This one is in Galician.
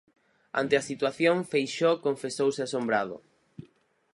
Ante a situación, Feixóo confesouse asombrado.